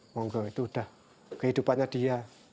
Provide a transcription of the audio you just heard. monggong itu udah kehidupannya dia